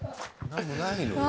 何もないのよ。